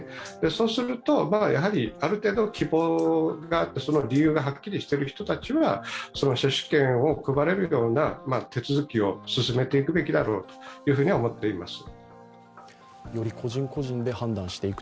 そうすると、ある程度希望があってその理由がある人が接種券を配れるような手続きを進めていくべきだろうと思っています。